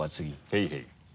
へいへい。